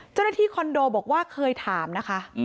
เจ้าหน้าที่คอนโดบอกว่าเคยถามนะคะ